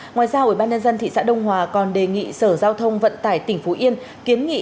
ngoài ra ubnd thị xã đông hòa còn đề nghị sở giao thông vận tải tỉnh phú yên kiến nghị